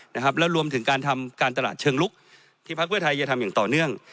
แล้วรวมถึงการทำการตลาดเชิงลุกที่พระคุยไทยจะทำอย่างต่อเนื่อง